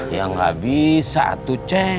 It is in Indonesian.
ya gak bisa tuh cek